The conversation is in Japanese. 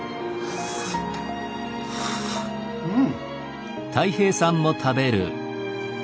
うん！